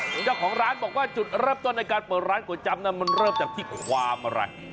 เจ้าของร้านบอกว่าจุดเริ่มต้นในการเปิดร้านก๋วยจับนั้นมันเริ่มจากที่ความอะไร